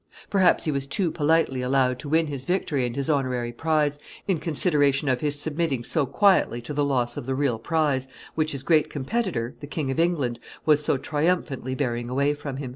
Perhaps he too was politely allowed to win his victory and his honorary prize, in consideration of his submitting so quietly to the loss of the real prize which his great competitor, the King of England, was so triumphantly bearing away from him.